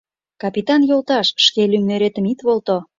— Капитан йолташ, шке лӱмнеретым ит волто.